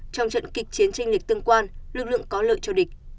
trong trận kịch chiến tranh lịch tương quan lực lượng có lợi cho địch